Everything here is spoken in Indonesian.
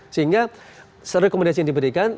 sehingga serekomendasi yang diberikan